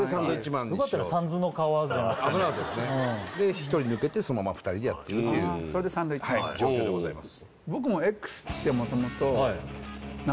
「三途の川」じゃなくて危なかったですねで１人抜けてそのまま２人でやってるというそれでサンドウィッチマン状況でございます